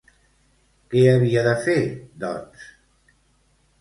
Què havia de fer, doncs?